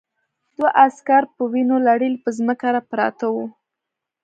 دوه عسکر په وینو لړلي پر ځمکه پراته وو